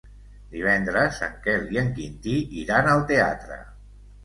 Divendres en Quel i en Quintí iran al teatre.